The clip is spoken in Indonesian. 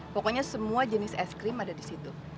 pokoknya semua jenis es krim ada di situ